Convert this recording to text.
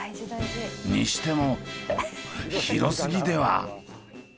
にしても広すぎでは？